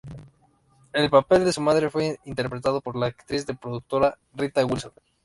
El papel de su madre fue interpretado por la actriz y productora Rita Wilson.